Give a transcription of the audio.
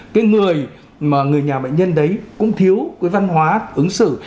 cái người mà người nhà bệnh nhân đấy cũng thiếu cái văn hóa ứng xử